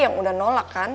yang udah nolak kan